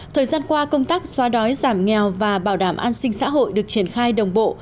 thời gian qua công tác xóa đói giảm nghèo và bảo đảm an sinh xã hội được triển khai đồng bộ